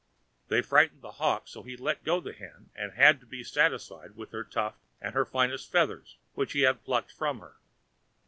They frightened the hawk so that he let go the Hen, and had to be satisfied with her tuft and her finest feathers, which he had plucked from her.